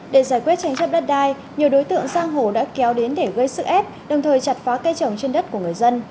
để giải quyết tranh chấp đất đai nhiều đối tượng sang hồ đã kéo đến để gây sức ép đồng thời chặt phá cây trồng trên đất của người dân